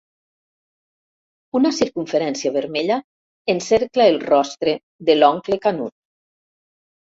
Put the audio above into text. Una circumferència vermella encercla el rostre de l'oncle Canut.